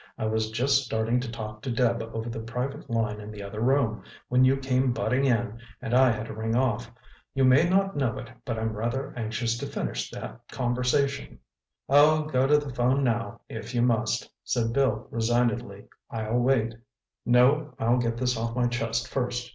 I was just starting to talk to Deb over the private line in the other room, when you came butting in and I had to ring off. You may not know it, but I'm rather anxious to finish that conversation." "Oh, go to the phone now, if you must," said Bill resignedly. "I'll wait." "No, I'll get this off my chest first.